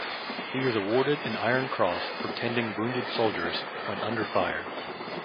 He was awarded an Iron Cross for tending wounded soldiers when under fire.